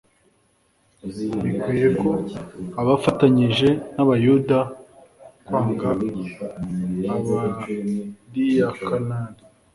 bibwiye ko afatanije n'abayuda kwanga abariyakanani.